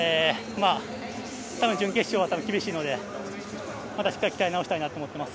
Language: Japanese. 準決勝は厳しいのでまたしっかり鍛え直したいなと思います。